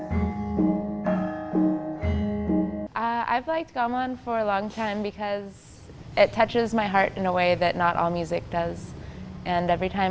saya pikir ini adalah ide yang sangat bagus karena kita dapat seperti